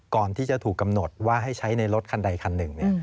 ก่อนที่จะถูกกำหนดว่าให้ใช้ในรถคันใดคันหนึ่ง